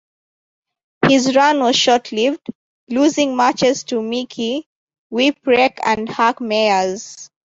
His run was short lived, losing matches to Mikey Whipwreck and Hack Meyers.